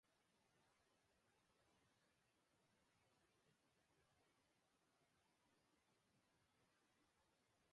Erakundeak ohar baten bitartez adierazi duenez, umeen kontrako erasoak ez dira salatzen.